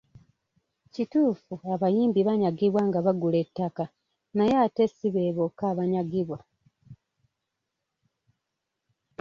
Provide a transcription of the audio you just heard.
Kituufu abayimbi banyagibwa nga bagula ettaka naye ate si be bokka abanyagibwa.